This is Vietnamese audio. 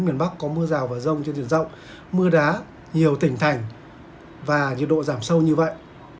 miền bắc có mưa rào và rông trên diện rộng mưa đá nhiều tỉnh thành và nhiệt độ giảm sâu như vậy